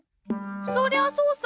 そりゃそうさ。